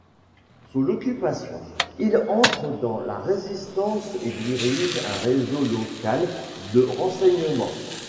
Sous l'occupation, il entre dans la Résistance et dirige un réseau local de renseignements.